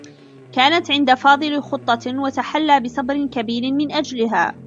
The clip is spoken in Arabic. كانت عند فاضل خطّة و تحلّى بصبر كبير من أجلها.